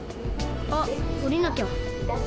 あっおりなきゃ。